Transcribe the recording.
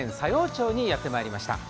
町にやってまいりました。